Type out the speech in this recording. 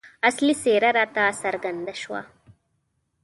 اصلي څېره راته څرګنده شوه.